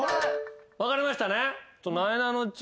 分かれましたね。